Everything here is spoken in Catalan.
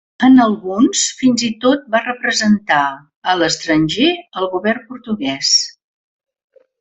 En alguns, fins i tot va representar a l'estranger al govern portuguès.